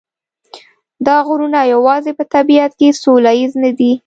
دا غرونه یوازې په طبیعت کې سوله ییز نه دي.